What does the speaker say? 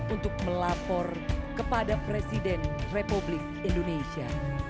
untuk melapor kepada presiden republik indonesia